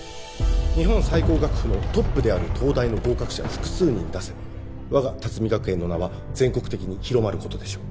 日本最高学府のトップである東大の合格者を複数人出せば我が龍海学園の名は全国的に広まることでしょう